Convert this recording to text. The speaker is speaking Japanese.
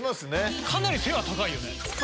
かなり背は高いよね。